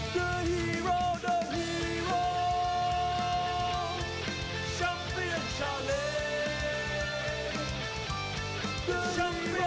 จังหวาดึงซ้ายตายังดีอยู่ครับเพชรมงคล